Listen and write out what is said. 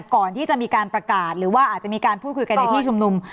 ก่อนที่จะมีการประกาศหรือว่าอาจจะมีการพูดคุยกันในที่ชุมนุม